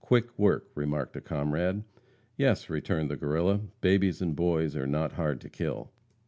"Quick work," remarked a comrade. "Yes," returned the Guerrilla, "babies and boys are not hard to kill."